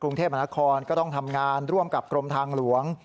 กรุงเทพมนาคอนก็ต้องทำงานร่วมกับกรมทางหลวง